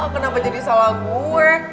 kenapa jadi salah gue